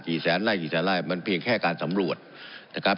แสนไล่กี่แสนไล่มันเพียงแค่การสำรวจนะครับ